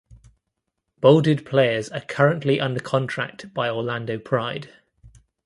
Bolded players are currently under contract by Orlando Pride.